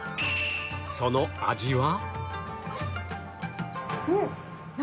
その味は？